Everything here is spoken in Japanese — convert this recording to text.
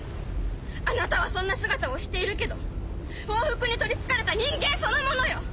あなたはそんな姿をしているけど報復に取りつかれた人間そのものよ！